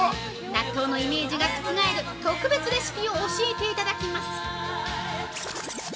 納豆のイメージが覆る特別レシピを教えていただいます。